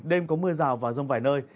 đêm có mưa rào và rông vài nơi